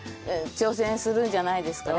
挑戦するんじゃないですかね。